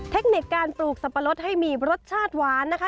เทคนิคการปลูกสับปะรดให้มีรสชาติหวานนะคะ